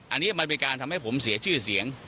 อันนี้มันเป็นการทำให้ผมเสียชื่อเสียง